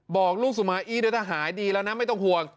บอกลูกสุมาอี้ด้วยถ้าหายดีแล้วนะไม่ต้องห่วง